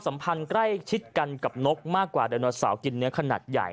สัมพันธ์ใกล้ชิดกันกับนกมากกว่าไดโนเสาร์กินเนื้อขนาดใหญ่